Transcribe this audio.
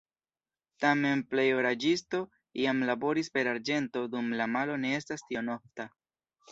Tamen plej oraĵisto iam laboris per arĝento dum la malo ne estas tiom ofta.